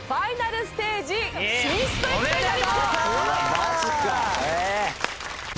マジか。